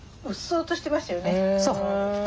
うっそうとしてましたよね。